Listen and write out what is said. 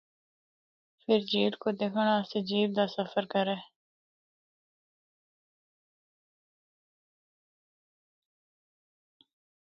فر جھیل کو دکھنڑا اسطے جیپ دا سفر کرّے۔